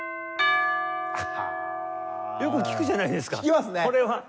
よく聴くじゃないですかこれは。